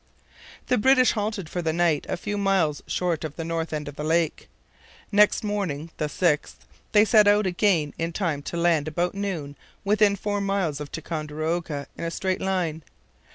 The British halted for the night a few miles short of the north end of the lake. Next morning; the 6th, they set out again in time to land about noon within four miles of Ticonderoga in a straight line.